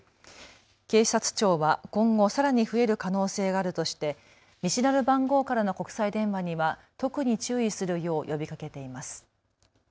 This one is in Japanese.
警察庁は今後、さらに増える可能性があるとして見知らぬ番号からの国際電話には特に注意するよう呼びかけています。